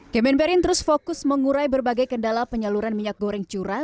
kemenperin terus fokus mengurai berbagai kendala penyaluran minyak goreng curah